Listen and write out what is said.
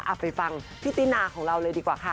ไปฟังพี่ตินาของเราเลยดีกว่าค่ะ